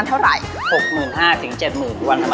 ค่าร้านก๋วยเตี๋ยว๓๐ปีครับ